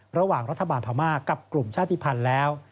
ระหว่างรัฐบาลพม่ากับกลุ่มชาติภัณฑ์แล้ว